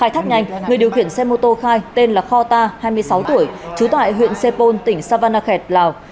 thắt nhanh người điều khiển xe mô tô khai tên là kho ta hai mươi sáu tuổi trú tại huyện xe pôn tỉnh savannakhet lào